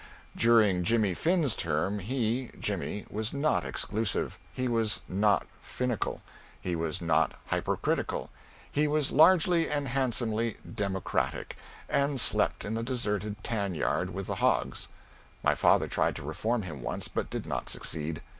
During Jimmy Finn's term he (Jimmy) was not exclusive; he was not finical; he was not hypercritical; he was largely and handsomely democratic and slept in the deserted tan yard with the hogs. My father tried to reform him once, but did not succeed.